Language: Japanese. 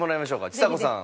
ちさ子さん。